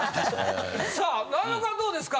さあ波岡はどうですか。